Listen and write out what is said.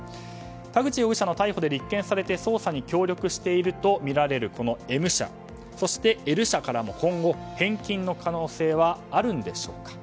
田口容疑者の逮捕で立件されて捜査に協力しているとみられるＭ社、そしてＬ社からも今後返金の可能性はあるんでしょうか。